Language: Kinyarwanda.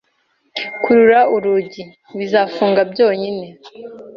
Kurura urugi. Bizafunga byonyine.